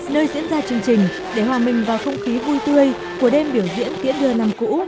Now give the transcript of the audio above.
nơi diễn ra chương trình để hòa mình vào không khí vui tươi của đêm biểu diễn tiễn đưa năm cũ